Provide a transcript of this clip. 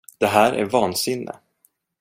Det här är vansinne.